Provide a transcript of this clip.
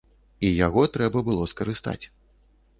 І яго трэба было скарыстаць.